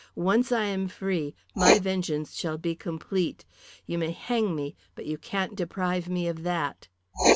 Once I am free, my vengeance shall be complete. You may hang me, but you can't deprive me of that."